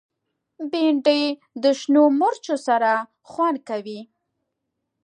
بېنډۍ د شنو مرچو سره خوند کوي